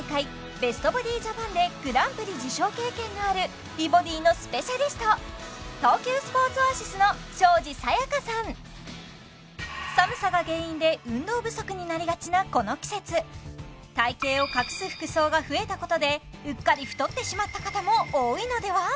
ベストボディ・ジャパンでグランプリ受賞経験がある美ボディーのスペシャリストになりがちなこの季節体形を隠す服装が増えたことでうっかり太ってしまった方も多いのでは？